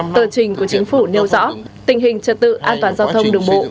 tờ trình của chính phủ nêu rõ tình hình trật tự an toàn giao thông đường bộ